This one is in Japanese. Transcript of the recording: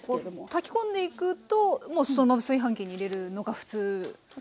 炊き込んでいくともうそのまま炊飯器に入れるのが普通かなと。